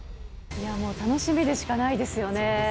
もう楽しみでしかないですよね。